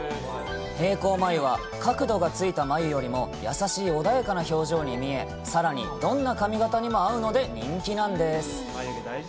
平行眉は、角度がついた眉よりも優しい穏やかな表情に見え、さらにどんな髪形にも合うので人気なんです。